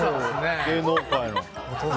芸能界の。